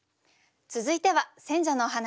続いては選者のお話。